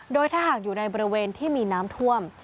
โดยถ้าหากอยู่ในบริเวณที่มีน้ำท่วม